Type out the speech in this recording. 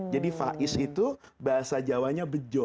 jadi faiz itu bahasa jawanya bejo